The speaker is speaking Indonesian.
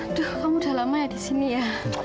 aduh kamu udah lama ya disini ya